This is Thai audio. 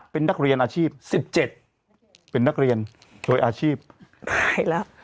เป็นนักเรียนอาชีพสิบเจ็ดเป็นนักเรียนผลิตอาชีพใครล่ะ